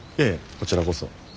いえこちらこそ。